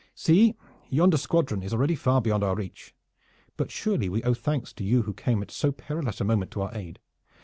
See, yonder squadron is already far beyond our reach. But surely we owe thanks to you who came at so perilous a moment to our aid.